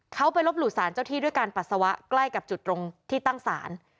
เขาไปลบหลู่สารเจ้าที่ด้วยการปัสสาวะใกล้กับจุดตรงที่ตั้งศาล